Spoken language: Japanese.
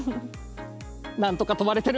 なんとか止まれてる。